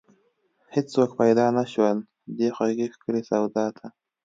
هیڅوک پیدا نشول، دې خوږې ښکلې سودا ته